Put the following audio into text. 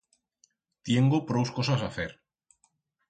Tiengo prous cosas a fer